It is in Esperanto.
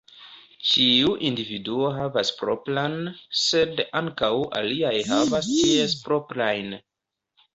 Ĉiu individuo havas propran, sed ankaŭ aliaj havas ties proprajn.